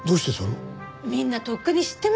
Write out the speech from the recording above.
みんなとっくに知ってますよ。